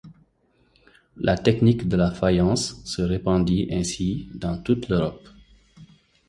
La technique de la faïence se répandit ainsi dans toute l’Europe.